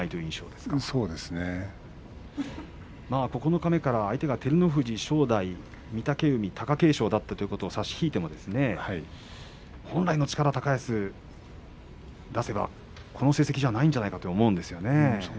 九日目から相手が照ノ富士、貴景勝、正代御嶽海ということを差し引いても本来の力高安が出せばこの成績ではないんじゃないかと思いますけどね。